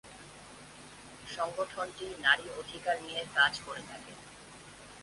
সংগঠনটি নারী অধিকার নিয়ে কাজ করে থাকে।